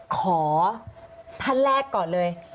ขอท่านแรกก่อนเลย